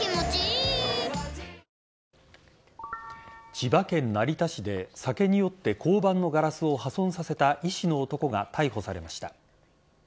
千葉県成田市で酒に酔って交番のガラスを破損させた医師の男が逮捕されました。